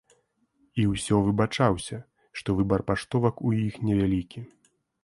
І ўсё выбачаўся, што выбар паштовак у іх невялікі.